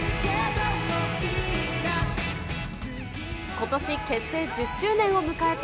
ことし結成１０周年を迎えた